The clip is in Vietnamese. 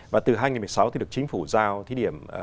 và từ hai nghìn một mươi sáu thì được chính phủ giao thí điểm